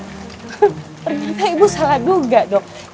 ternyata ibu salah duga dok